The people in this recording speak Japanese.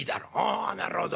「あなるほど」。